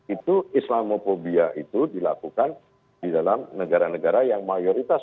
itu islamophobia itu dilakukan di dalam negara negara yang mayoritas